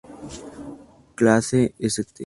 Clase St.